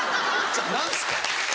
何すか？